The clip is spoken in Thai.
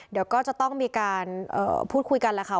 เดี๋ยวก็จะต้องมีการพูดคุยกันแหละค่ะ